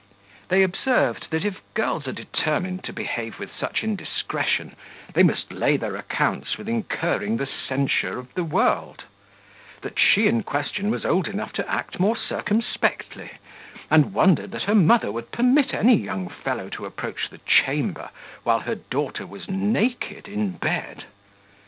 They observed, that, if girls are determined to behave with such indiscretion, they must lay their accounts with incurring the censure of the world; that she in question was old enough to act more circumspectly; and wondered that her mother would permit any young fellow to approach the chamber while her daughter was naked in bed.